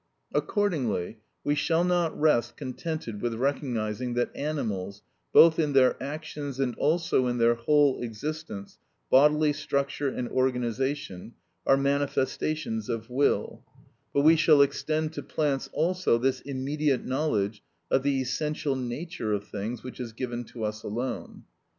(32) Accordingly, we shall not rest contented with recognising that animals, both in their actions and also in their whole existence, bodily structure and organisation, are manifestations of will; but we shall extend to plants also this immediate knowledge of the essential nature of things which is given to us alone.